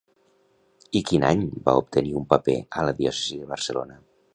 I quin any va obtenir un paper a la diòcesi de Barcelona?